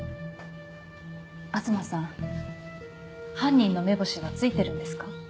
東さん犯人の目星はついてるんですか？